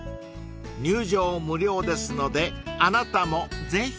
［入場無料ですのであなたもぜひ］